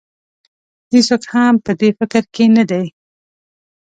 هېڅوک هم په دې فکر کې نه دی.